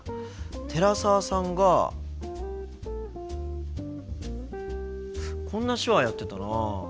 寺澤さんがこんな手話やってたな。